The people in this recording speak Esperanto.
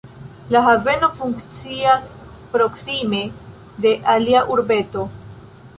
La haveno funkcias proksime de alia urbeto.